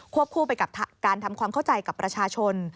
คู่ไปกับการทำความเข้าใจกับประชาชน